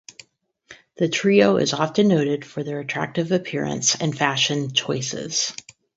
The trio is often noted for their attractive appearance and fashion choices.